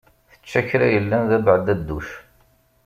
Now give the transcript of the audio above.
Tečča kra yellan d abeɛdadduj.